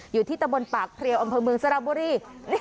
อยู่ที่ตะบนปากเพลียวอำเภอเมืองสระบุรี